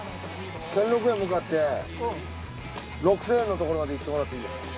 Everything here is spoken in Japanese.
兼六園向かって６，０００円のところまで行ってもらっていいですか？